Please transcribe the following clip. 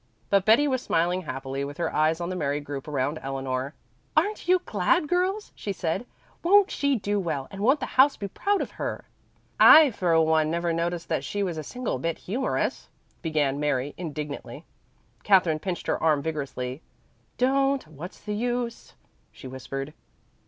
But Betty was smiling happily with her eyes on the merry group around Eleanor. "Aren't you glad, girls?" she said. "Won't she do well, and won't the house be proud of her?" "I for one never noticed that she was a single bit humorous," began Mary indignantly. Katherine pinched her arm vigorously. "Don't! What's the use?" she whispered.